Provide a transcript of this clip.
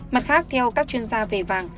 mặt khác theo các chuyên gia về vàng